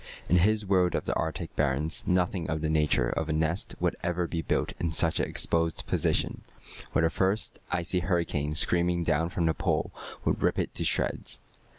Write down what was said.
In his world of the Arctic barrens nothing of the nature of a nest would ever be built in such an exposed position, where the first icy hurricane screaming down from the Pole would rip it to shreds.